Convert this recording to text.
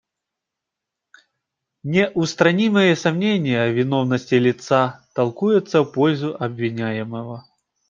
Неустранимые сомнения в виновности лица толкуются в пользу обвиняемого.